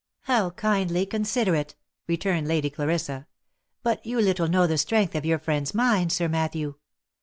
" How kindly considerate !" returned Lady Clarissa. " But you little know the strength of your friend's mind, Sir Matthew.